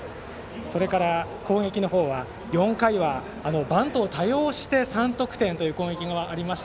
それから攻撃の方は、４回はバントを多用して３得点という攻撃がありました。